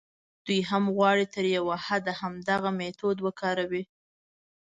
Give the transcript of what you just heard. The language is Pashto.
دوی هم غواړي تر یوه حده همدغه میتود وکاروي.